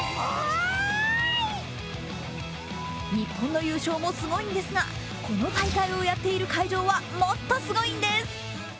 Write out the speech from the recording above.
日本の優勝もすごいんですがこの大会をやっている会場は、もっとすごいんです。